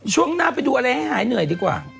ช่วงหน้าไปดูอะไรให้หายเหนื่อยดีกว่า